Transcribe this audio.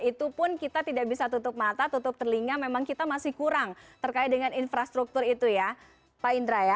itu pun kita tidak bisa tutup mata tutup telinga memang kita masih kurang terkait dengan infrastruktur itu ya pak indra ya